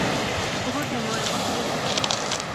Hubo temor a posibles contagios.